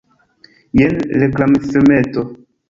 Jen reklamfilmeto.